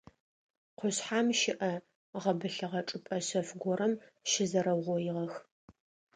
Къушъхьэм щыӏэ гъэбылъыгъэ чӏыпӏэ шъэф горэм щызэрэугъоигъэх.